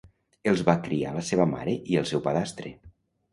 Els va criar la seva mare i el seu padrastre.